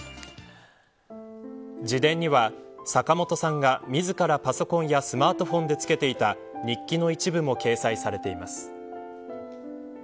自伝には坂本さんが自らパソコンやスマートフォンでつけていた日記の一部も掲載されています。